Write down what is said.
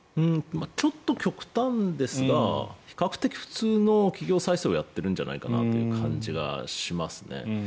ちょっと極端ですが比較的、普通の企業再生をやっているんじゃないかなという気がしますね。